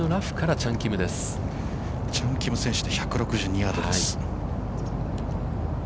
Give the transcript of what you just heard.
◆チャン・キム選手で、１６２ヤードです。